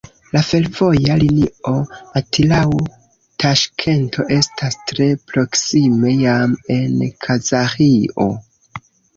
La fervoja linio Atirau-Taŝkento estas tre proksime jam en Kazaĥio.